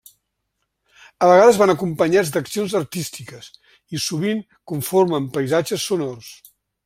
A vegades van acompanyats d'accions artístiques, i sovint conformen paisatges sonors.